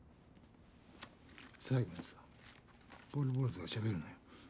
最後にさポール・ボウルズがしゃべるのよ。